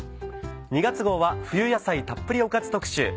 ２月号は冬野菜たっぷりおかず特集。